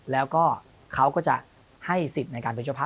แล้วก็เขาก็จะให้สิทธิ์ในการเป็นเจ้าภาพ